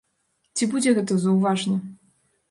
Ці будзе гэта заўважна?